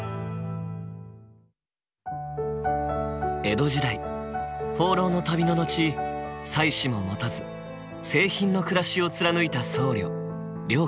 江戸時代放浪の旅の後妻子も持たず清貧の暮らしを貫いた僧侶良寛。